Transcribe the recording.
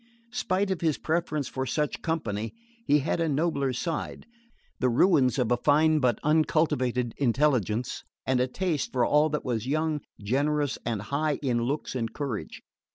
Spite of his preference for such company, he had a nobler side, the ruins of a fine but uncultivated intelligence, and a taste for all that was young, generous and high in looks and courage.